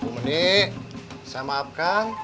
menik saya maafkan